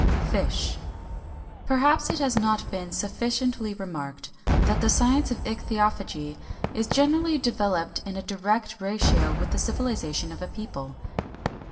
FISH. Perhaps it has not been sufficiently remarked that the science of ichthyophagy is generally developed in a direct ratio with the civilization of a people.